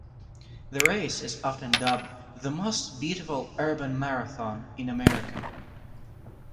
The race is often dubbed "The Most Beautiful Urban Marathon in America".